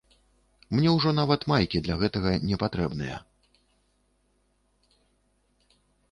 Мне ўжо нават майкі для гэтага не патрэбныя.